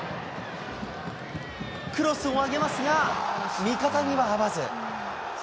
クロスを上げますが、味方には合わず。